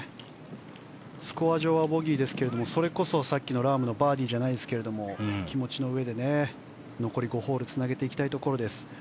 スコア上はボギーですがそれこそさっきのラームのバーディーじゃないですが気持ちのうえで残り５ホールつなげていきたいところ。